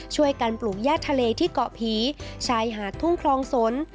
ช่วยกันปลูกย่าทะเลที่เกาะผีชายหาดทุ่งคลองสน